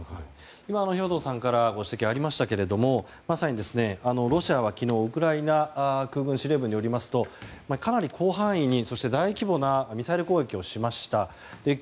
今、兵頭さんからご指摘がありましたけれどもまさに、ロシアは昨日ウクライナ空軍司令部によりますとかなり広範囲に、大規模なミサイル攻撃をしました。